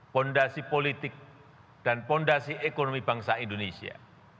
fondasi politik dan fondasi ekonomi bangsa indonesia